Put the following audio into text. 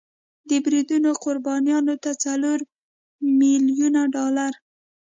د بریدونو قربانیانو ته څلور میلیون ډالر